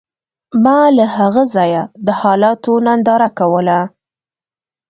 ما له هغه ځایه د حالاتو ننداره کوله